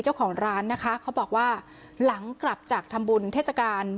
เจ้าของร้านนะคะเขาบอกว่าหลังกลับจากทำบุญเทศกาล